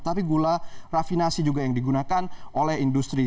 tapi gula rafinasi juga yang digunakan oleh industri